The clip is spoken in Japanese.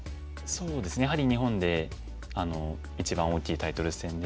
そうですねやはり日本で一番大きいタイトル戦ですので。